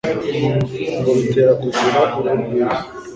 ngo bitera kugira uruhu rwiza